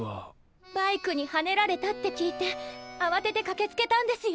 バイクにはねられたって聞いてあわててかけつけたんですよ。